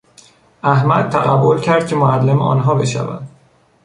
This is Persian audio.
احمد تقبل کرد که معلم آنها بشود.